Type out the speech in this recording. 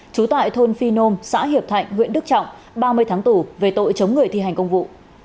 trú tại thôn phi nôm xã hiệp thạnh huyện đức trọng ba mươi tháng tù về tội chống người thi hành công vụ